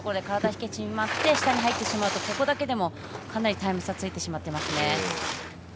体が縮まって下に入ってしまうとここだけでもかなりタイム差がついてしまっていますね。